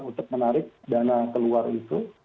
untuk menarik dana keluar itu